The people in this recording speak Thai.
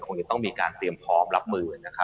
คงจะต้องมีการเตรียมพร้อมรับมือนะครับ